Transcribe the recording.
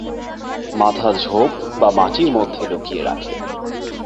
মাথা ঝোপ বা মাটির মধ্যে লুকিয়ে রাখে।